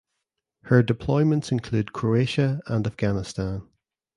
Her deployments include Croatia and Afghanistan.